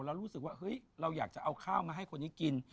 แล้วรู้สึกว่าเราอยากจะเอาข้าวมาให้คนที่กิน